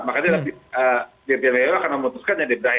makanya di rtio akan memutuskan yang diberi